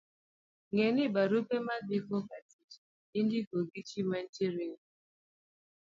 Ng'e ni, barupe modhi kokatich indiko gi ji manitiere e grup